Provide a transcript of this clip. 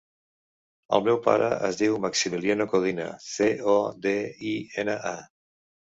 El meu pare es diu Maximiliano Codina: ce, o, de, i, ena, a.